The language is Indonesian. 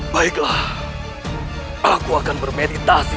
baiklah aku akan bermeditasi